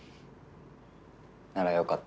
ならよかった。